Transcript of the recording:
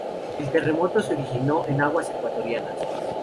El terremoto se originó en aguas ecuatorianas.